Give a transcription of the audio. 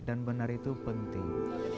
dan benar itu penting